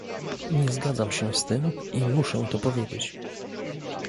Nie zgadzam się z tym i muszę to powiedzieć